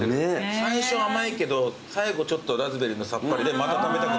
最初甘いけど最後ちょっとラズベリーのさっぱりでまた食べたくなる。